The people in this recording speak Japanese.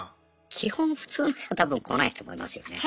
基本普通の人は多分来ないと思いますよね。